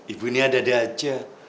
ibu ini ada dia aja